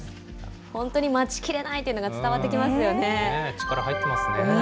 本当に待ちきれないというのが伝わってきますよね。